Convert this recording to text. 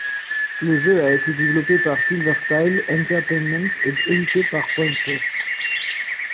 Le jeu a été développé par Silver Style Entertainment et édité par PointSoft.